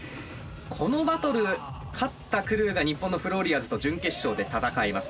このバトル勝ったクルーが日本のフローリアーズと準決勝で戦います。